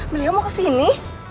beliau mau ke sini